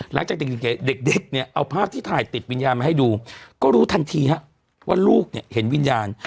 หลังจากเด็กเนี่ยเอาภาพที่ถ่ายติดวิญญาณมาให้ดูก็รู้ทันทีฮะว่าลูกเนี่ยเห็นวิญญาณ